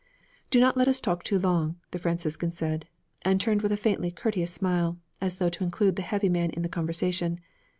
'Do not let us talk too long,' the Franciscan said, and turned with a faintly courteous smile, as though to include the heavy man in the conversation.